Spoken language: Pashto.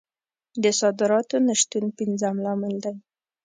د صادراتو نه شتون پنځم لامل دی.